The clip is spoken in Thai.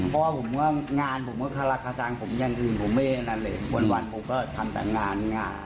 เพราะว่างานผมก็คลาคาทางผมอย่างอื่นผมไม่ให้อันนั้นเลยวันผมก็ทำแต่งาน